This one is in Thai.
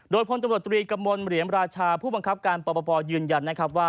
โดยพนตรกับมณเหลียมราชาผู้บังคับการปปยืนยัน